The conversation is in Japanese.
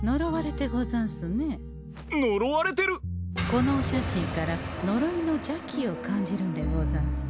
このお写真からのろいの邪気を感じるんでござんす。